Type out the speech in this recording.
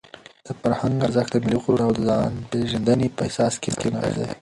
د فرهنګ ارزښت د ملي غرور او د ځانپېژندنې په احساس کې نغښتی دی.